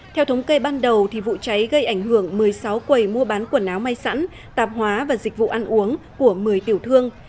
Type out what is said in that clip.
theo thống kê ban đầu vụ cháy gây ảnh hưởng một mươi sáu quầy mua bán quần áo may sẵn tạp hóa và dịch vụ ăn uống của một mươi tiểu thương